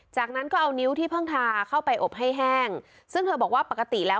จากนั้นก็เอานิ้วที่เพิ่งทาเข้าไปอบให้แห้งซึ่งเธอบอกว่าปกติแล้ว